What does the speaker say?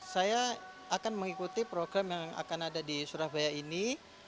saya akan mengikuti program yang akan ada di surabaya ini